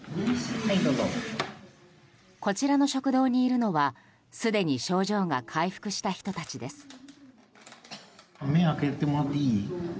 こちらの食堂にいるのはすでに症状が回復した人たちです。